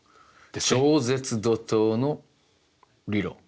超絶怒とうの理論。